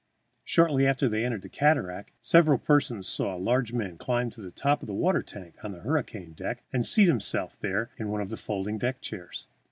Shortly after they entered the cataract several persons saw a large man climb to the top of a water tank on the hurricane deck, and seat himself there in one of the folding deck chairs.